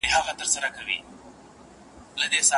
شاګرد د علمي لیکنو د خپرولو لپاره مناسب ځای لټوي.